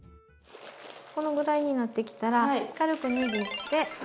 このぐらいになってきたら軽く握ってふる。